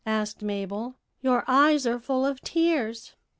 asked Mabel; 'your eyes are full of tears.'